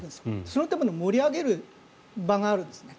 そのための盛り上げる場があるんですね。